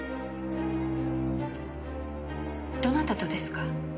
どなたとですか？